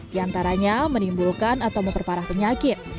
di antaranya menimbulkan atau memperparah penyakit